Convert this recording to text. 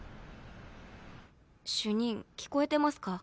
主任聞こえてますか？